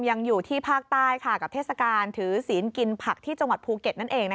ยังอยู่ที่ภาคใต้กับเทศกาลถือศีลกินผักที่จังหวัดภูเก็ตนั่นเอง